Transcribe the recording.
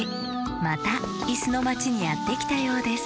またいすのまちにやってきたようです